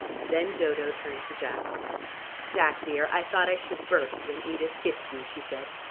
Then Dodo turned to Jack. "Jack, dear, I thought I should burst when Edith kissed you," she said.